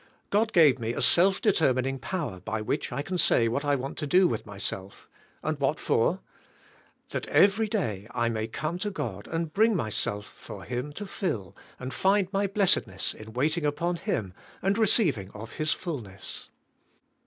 God gave me a self determining power by which I can say what I want to do with myself, and what for? That every day I may come to God and bring my THK SKI.F I,IFK. 47 self for him to fill, and find my blessedness in wait ing upon Him and receiving of His fullness.